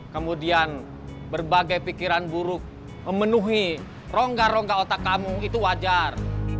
kemudian berbagai pikiran buruk memenuhi rongga rongga otak kamu itu wajar